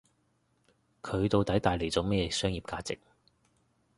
佢到底帶嚟咗乜嘢商業價值